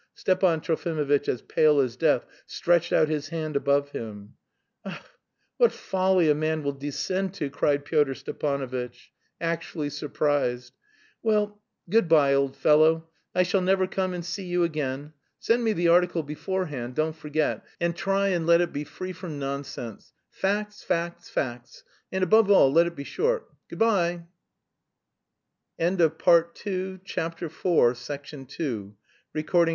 Stepan Trofimovitch, as pale as death, stretched out his hand above him. "Ach, what folly a man will descend to!" cried Pyotr Stepanovitch, actually surprised. "Well, good bye, old fellow, I shall never come and see you again. Send me the article beforehand, don't forget, and try and let it be free from nonsense. Facts, facts, facts. And above all, let it be short. Good bye." III Outside influences, too, had come into play in the matter, however.